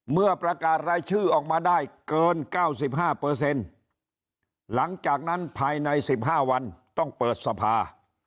เมื่อประกาศรายชื่อออกมาได้เกิน๙๕หลังจากนั้นภายใน๑๕วันต้องเปิดสภา